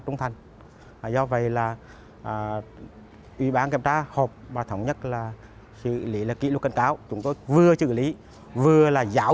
cuối tháng ba vừa qua ủy ban kiểm tra huyện ủy hải lăng đã tiến hành xử lý kỷ luật cảnh cáo đồng chí hoàng văn quyết